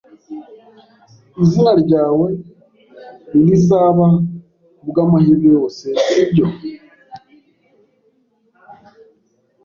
Izina ryawe ntirizaba , kubwamahirwe yose, sibyo?